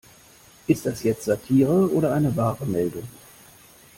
Ist das jetzt Satire oder eine wahre Meldung?